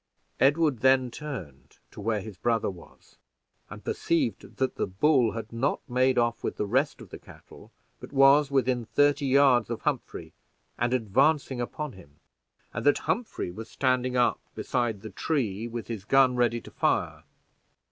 Edward then turned to where his brother was, and perceived that the bull had not made off with the rest of the cattle, but was within thirty yards of Humphrey, and advancing upon him, and that Humphrey was standing up beside the tree with his gun ready to file.